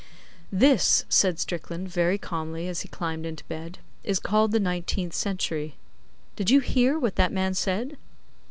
'This,' said Strickland, very calmly, as he climbed into bed, 'is called the nineteenth century. Did you hear what that man said?